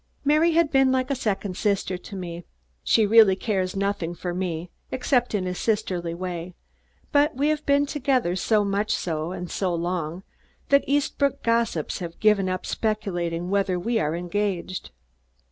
Mary has been like a second sister to me. She really cares nothing for me, except in a sisterly way, but we have been together, so much so and so long that Eastbrook gossips have given up speculating whether we are engaged.